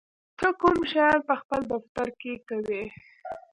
ته کوم شیان په خپل دفتر کې کوې؟